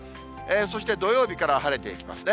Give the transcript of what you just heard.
そして土曜日から晴れていきますね。